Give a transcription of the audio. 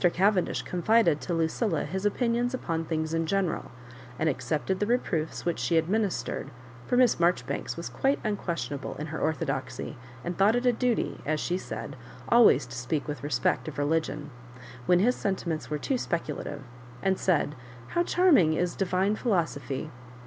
Cavendish confided to Luciila his opinions upon things in general, and accepted the reproofs which she administered (for Miss Maijoribanks ;Bvas quite unquestionable in her orthodoxy, and thought it a duty, as she said, always to speak with respect of religion) when his sentiments were too speculative, and said, " How charming is divine philosophy